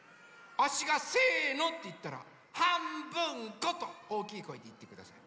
あっしが「せの」っていったら「はんぶんこ」とおおきいこえでいってください。